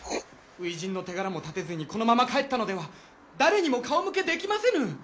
初陣の手柄も立てずにこのまま帰ったのでは誰にも顔向けできませぬ！